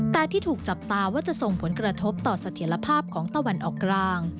แต่ที่ถูกจับตาว่าจะส่งผลกระทบต่อเสถียรภาพของตะวันออกกลาง